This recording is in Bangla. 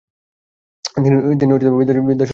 তিনি বিদ্যাসুন্দর রচনা করেন।